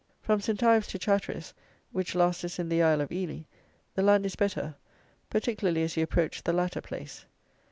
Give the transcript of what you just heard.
From St. Ives to Chatteris (which last is in the Isle of Ely), the land is better, particularly as you approach the latter place.